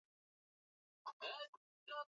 Mtu si yake hisima, kuitwa nyama wa mwitu.